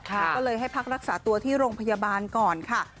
ก็เลยให้พักรักษาตัวที่โรงพยาบาลก่อนค่ะ